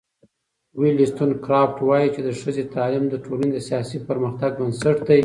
ولستون کرافټ وایي چې د ښځو تعلیم د ټولنې د سیاسي پرمختګ بنسټ دی.